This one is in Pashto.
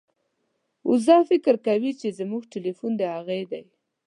وزه فکر کوي چې زموږ ټیلیفون د هغې دی.